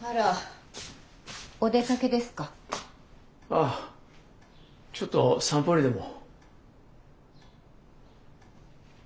ああちょっと散歩にでも。